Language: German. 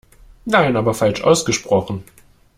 Nein, aber falsch ausgesprochen.